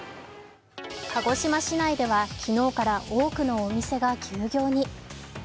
鹿児島市内では昨日から多くのお店が休業に。